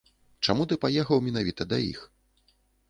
Чаму ты паехаў менавіта да іх?